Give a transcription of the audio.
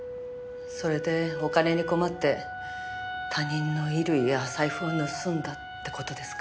それでお金に困って他人の衣類や財布を盗んだって事ですか。